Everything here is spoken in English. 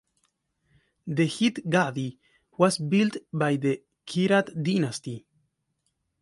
The Jit Gadhi was built by the Kirat dynasty.